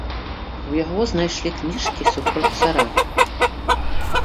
У яго знайшлі кніжкі супроць цара.